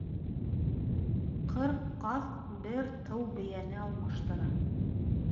Ҡырҡ ҡаҙ бер тыу бейәне алмаштыра.